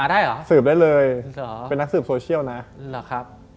ก็ใกล้ถึงฟินคับ